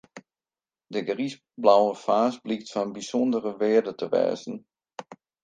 Dy griisblauwe faas blykt fan bysûndere wearde te wêze.